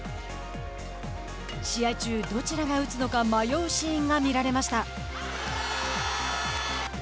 試合中、どちらが打つのか迷うシーンが見られました。